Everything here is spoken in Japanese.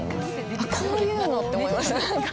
あっ、こういうのって思いました。